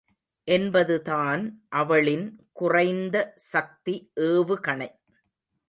என்பதுதான் அவளின் குறைந்த சக்தி ஏவுகணை.